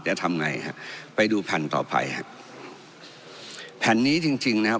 จะทำไงฮะไปดูแผ่นต่อไปฮะแผ่นนี้จริงจริงนะครับ